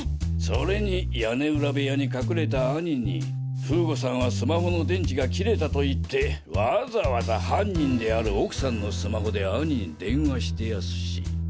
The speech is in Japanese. それに屋根裏部屋に隠れた兄に風悟さんはスマホの電池が切れたと言ってわざわざ犯人である奥さんのスマホで兄に電話してやすし。